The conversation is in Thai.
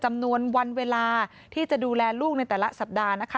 จำนวนวันเวลาที่จะดูแลลูกในแต่ละสัปดาห์